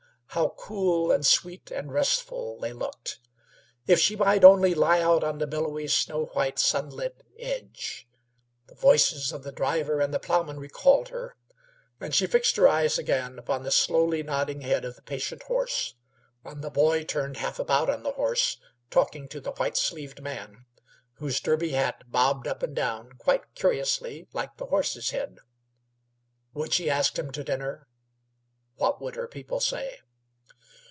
How cool and sweet and restful they looked! If she might only lie out on the billowy, snow white, sunlit edge! The voices of the driver and the ploughman recalled her, and she fixed her eyes again upon the slowly nodding head of the patient horse, on the boy turned half about on his saddle, talking to the white sleeved man, whose derby hat bobbed up and down quite curiously, like the horse's head. Would she ask him to dinner? What would her people say?